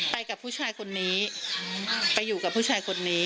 ไปกับผู้ชายคนนี้ไปอยู่กับผู้ชายคนนี้